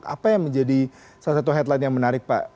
apa yang menjadi salah satu headline yang menarik pak